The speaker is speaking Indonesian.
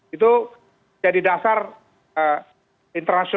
itu jadi dasar internasional